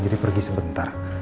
nanti lagi sebentar